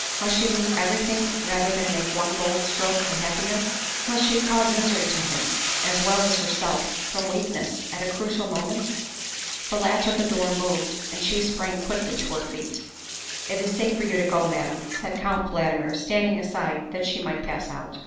Must she lose everything rather than make one bold stroke for happiness? Must she cause misery to him as well as herself from weakness at a crucial moment? The latch of the door moved and she sprang quickly to her feet. "It is safe for you to go, Madame," said Count Valdmir, standing aside that she might pass out.